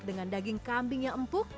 dengan daging kambing yang empuk